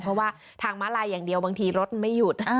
เพราะว่าทางม้าลายอย่างเดียวบางทีรถไม่หยุด